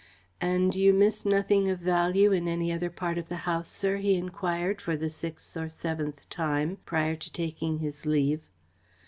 "And you miss nothing of value in any other part of the house, sir?" he enquired for the sixth or seventh time, prior to taking his leave.